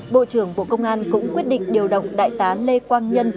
bộ trưởng bộ công an cũng quyết định điều động đại tá lê quang nhân